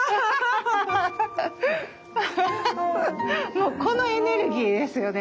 もうこのエネルギーですよね。